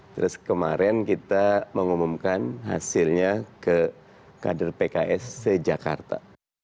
terus kemarin kita mengumumkan hasilnya ke kader pks sejakarta